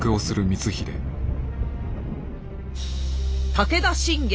武田信玄